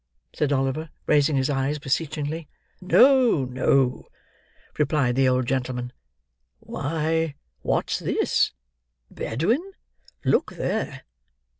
said Oliver, raising his eyes beseechingly. "No, no," replied the old gentleman. "Why! what's this? Bedwin, look there!"